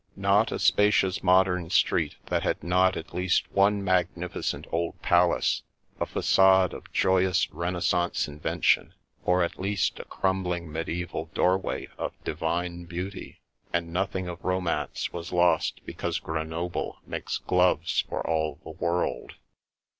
Not a spacious modem street that had not at least one magnificent old palace, a facade of joy ous Renaissance invention, or at least a crumbling mediaeval doorway of divine beauty ; and nothing of romance was lost because Grenoble makes gloves for all the world.